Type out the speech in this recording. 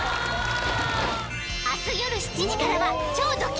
明日夜７時からは「超ド級！